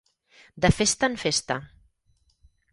De festa en festa.